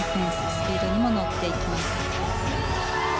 スピードにも乗っていきます。